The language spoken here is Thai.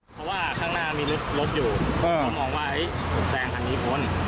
เพราะว่าข้างหน้ามีรถอยู่ก็มองว่าผมแซงคันนี้พ้น